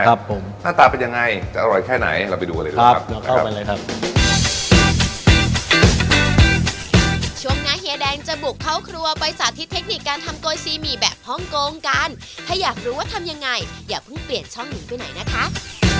หน้าตาเป็นยังไงจะอร่อยแค่ไหนเราไปดูกันเลยครับครับเราเข้าไปเลยครับ